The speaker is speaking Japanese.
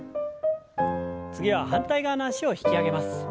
次は反対側の脚を引き上げます。